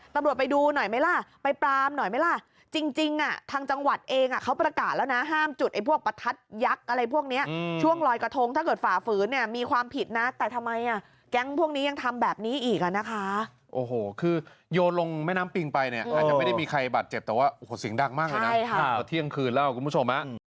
ทำไมอ่ะแก๊งพวกนี้ยังทำแบบนี้อีกอ่ะนะคะโอ้โหคือโยนลงแม่น้ำปิงไปเนี่ยไม่ได้มีใครบาดเจ็บแต่ว่าสิ่งดักมากเลยนะเที่ยงคืนแล้วคุณผู้ชมนะ